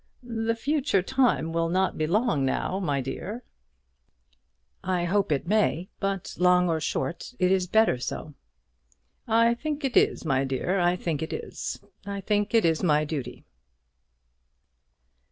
"The future time will not be long now, my dear." "I hope it may; but long or short, it is better so." "I think it is, my dear; I think it is. I think it is my duty."